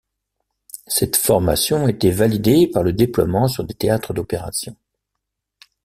Cette formation était validée par le déploiement sur des théâtres d'opération.